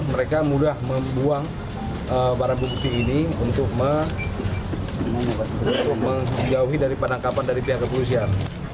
mereka mudah membuang barang bukti ini untuk menjauhi dari penangkapan dari pihak kepolisian